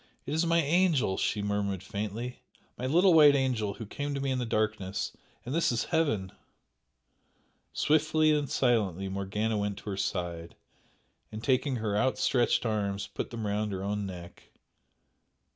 "It is my angel!" she murmured faintly "My little white angel who came to me in the darkness! And this is Heaven!" Swiftly and silently Morgana went to her side, and taking her outstretched arms put them round her own neck.